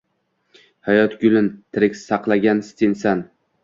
Hayot gulin tirik saqlagan sensan.